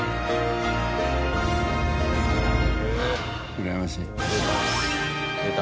うらやましい。出た。